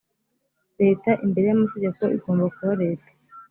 leta imbere y amategeko igomba kuba leta